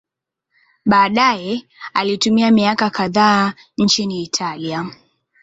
Baadaye alitumia miaka kadhaa nchini Italia.